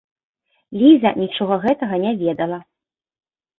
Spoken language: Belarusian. Ліза нічога гэтага не ведала.